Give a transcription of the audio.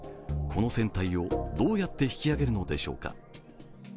この船体をどうやって引き上げるのでしょうか。